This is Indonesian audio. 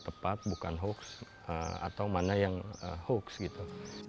tepat bukan hoax atau mana yang hoax gitu